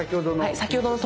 先ほどの。